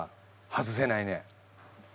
外せない。